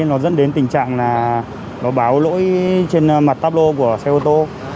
nó dẫn đến tình trạng là nó báo lỗi trên mặt tableau của xe ô tô